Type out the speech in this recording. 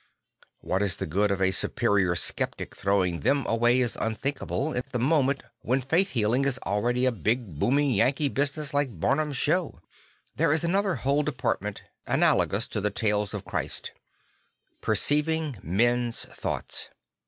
What is the good of a superior sceptic throwing them away as unthinkable, at the moment when faith healing is already a big booming Yankee business like Barnum's Show? There is another whole department analogous to the tales of Christ It perceiving men's thoughts."